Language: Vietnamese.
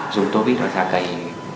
dùng tô vít ra cầy